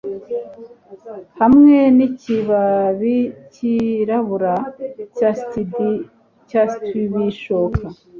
Hamwe nikibabicyirabura cya stubishoka